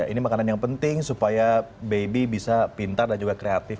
ini makanan yang penting supaya baby bisa pintar dan juga kreatif